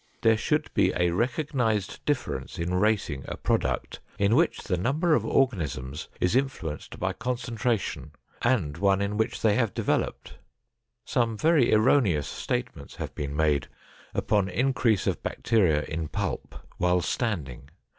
There should be a recognized difference in rating a product in which the number of organisms is influenced by concentration, and one in which they have developed. Some very erroneous statements have been made upon increase of bacteria in pulp while standing.